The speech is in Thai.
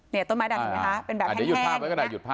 เนี่ยต้นไม้ดัดอยู่ไหนคะ